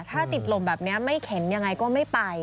ถ้าติดลมแบบนี้ไม่เข็นยังไงก็ไม่ไป